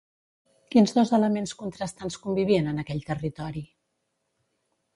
Quins dos elements contrastants convivien en aquell territori?